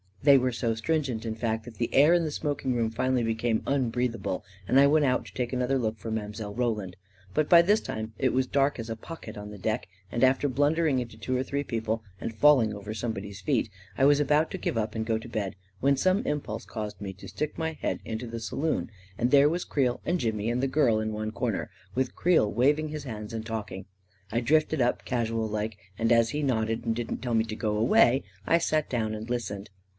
They were so stringent, in fact, that the air in the smoking room finally became unbreathable, and I went out to take another look for Mile. Roland. But by this time, it was dark as a pocket on deck, and after blundering into two or three people and falling over somebody's feet, I was about to give it up and go to bed, when some impulse caused me to stick my head into the saloon, and there was Creel and Jimmy and the girl in one corner, with Creel waving his hands and talking. I drifted up, casual like, and as he nodded and didn't tell me to go away, I sat down and listened.